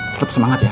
tetep semangat ya